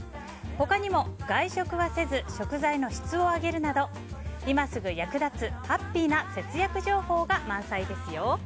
他にも、外食はせず食材の質を上げるなど今すぐ役立つハッピーな節約情報が満載ですよ。